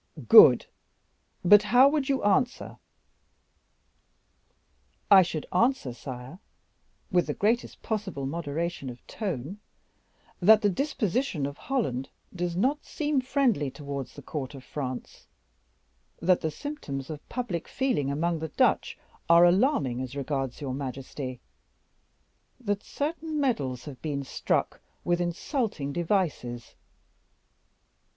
"Good; but how would you answer?" "I should answer, sire, with the greatest possible moderation of tone, that the disposition of Holland does not seem friendly towards the Court of France; that the symptoms of public feeling among the Dutch are alarming as regards your majesty; that certain medals have been struck with insulting devices."